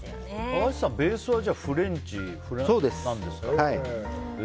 高橋さん、ベースはフレンチなんですか？